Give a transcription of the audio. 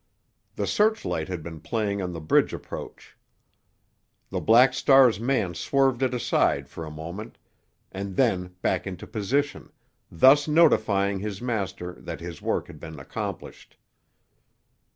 The searchlight had been playing on the bridge approach. The Black Star's man swerved it aside for a moment, and then back into position, thus notifying his master that his work had been accomplished.